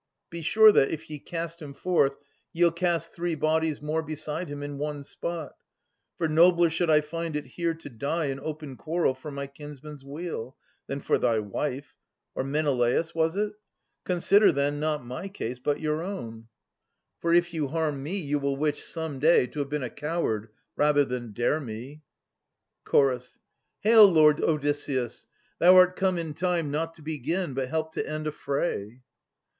Be sure that, if ye cast him forth, ye'll cast Three bodies more beside him in one spot ; For nobler should I find it here to die In open quarrel for my kinsman's weal. Than for thy wife— or Menelatis', was 't ? Consider then, not my case, but your own. H gs Atas [1314 1342 For if you harm me, you will wish some day To have been a coward rather than dare me. Ch. Hail, Lord Odysseus ! thou art come in time Not to begin, but help to end, a fray.